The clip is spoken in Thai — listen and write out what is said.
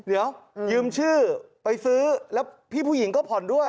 เดี๋ยวยืมชื่อไปซื้อแล้วพี่ผู้หญิงก็ผ่อนด้วย